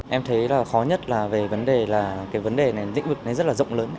em thấy là khó nhất là về vấn đề là cái vấn đề này lĩnh vực này rất là rộng lớn